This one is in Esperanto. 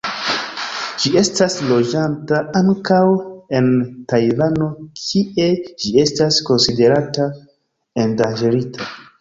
Ĝi estas loĝanta ankaŭ en Tajvano, kie ĝi estas konsiderata endanĝerita.